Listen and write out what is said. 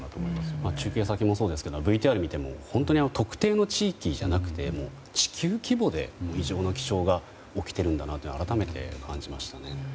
中継先もそうですけどＶＴＲを見ても特定の地域じゃなくて地球規模で異常な気象が起きているんだなって改めて感じましたね。